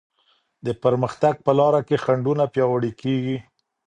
د پرمختګ په لاره کي خنډونه پیاوړې کيږي.